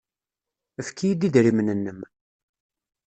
Efk-iyi-d idrimen-nnem.